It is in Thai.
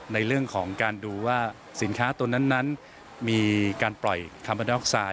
ในเรื่องของการดูว่าสินค้าตัวนั้นมีการปล่อยคาร์บอนด็อกไซด